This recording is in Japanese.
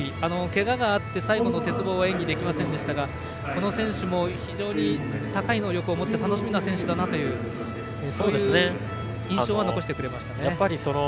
けががあって最後の鉄棒は演技ができませんでしたがこの選手も非常に高い能力を持って楽しみな選手だなというそういう印象を残してくれました。